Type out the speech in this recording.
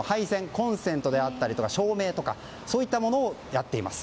コンセントであったり照明とかそういったものをやっています。